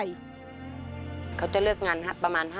ทำไมเราต้องเป็นแบบเสียเงินอะไรขนาดนี้เวรกรรมอะไรนักหนา